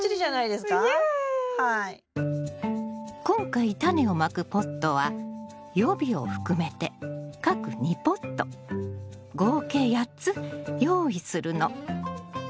今回タネをまくポットは予備を含めて各２ポット合計８つ用意するの。